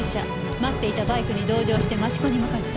待っていたバイクに同乗して益子に向かった。